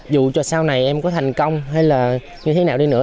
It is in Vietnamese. dù cho sau này em có thành công hay là như thế nào đi nữa